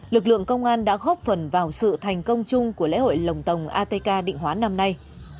lực lượng công an đã góp phần vào sự thành công chung của lễ hội lồng tồng atk định hóa năm nay